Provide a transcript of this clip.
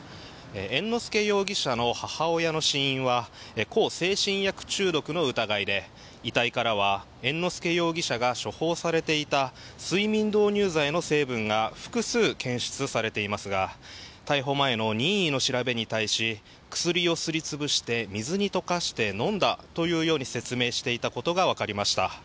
猿之助容疑者の母親の死因は向精神薬中毒の疑いで遺体からは猿之助容疑者が処方されていた睡眠導入剤の成分が複数、検出されていますが逮捕前の任意の調べに対し薬をすり潰して水に溶かして飲んだというように説明していたことがわかりました。